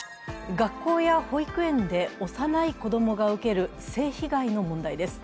学校や保育園で幼い子供が受ける性被害の問題です。